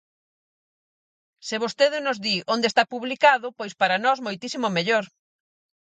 Se vostede nos di onde está publicado, pois para nós moitísimo mellor.